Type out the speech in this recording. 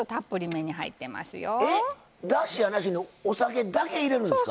えっだしやなしにお酒だけ入れるんですか？